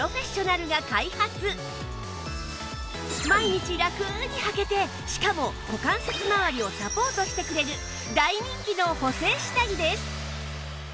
毎日ラクにはけてしかも股関節まわりをサポートしてくれる大人気の補整下着です